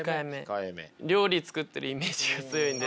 料理作ってるイメージが強いんで。